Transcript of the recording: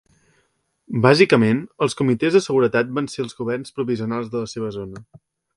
Bàsicament, els comitès de seguretat van ser els governs provisionals de la seva zona.